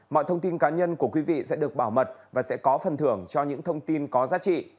mọi thông tin cá nhân của quý vị sẽ được bảo mật và sẽ có phần thưởng cho những thông tin có giá trị